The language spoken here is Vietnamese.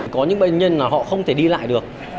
có những bệnh nhân là họ không thể đi lại được